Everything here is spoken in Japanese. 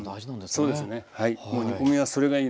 そうですねはい。